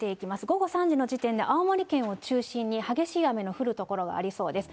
午後３時に青森県を中心に激しい雨の降る所がありそうです。